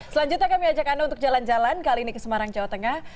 selanjutnya kami ajak anda untuk jalan jalan kali ini ke semarang jawa tengah